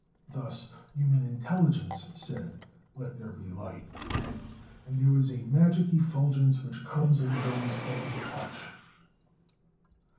Thus human intelligence said: "Let there be light" and there was a magic effulgence which comes and goes at a touch.